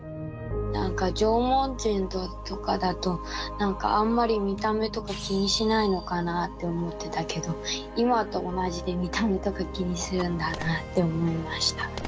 なんか縄文人とかだとなんかあんまり見た目とか気にしないのかなあって思ってたけど今と同じで見た目とか気にするんだなあって思いました。